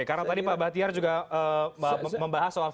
karena tadi pak batiar juga membahas soal